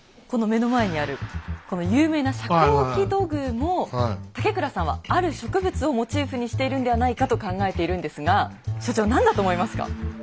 この目の前にあるこの有名な遮光器土偶も竹倉さんはある植物をモチーフにしているんではないかと考えているんですが所長何だと思いますか？